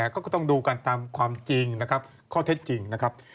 เขาก็ต้องดูกันตามความจริงนะครับข้อเท็จจริงนะครับ